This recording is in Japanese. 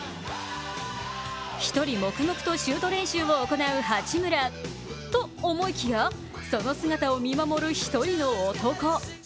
１人黙々とシュート練習を行う八村。と、思いきや、その姿を見守る１人の男。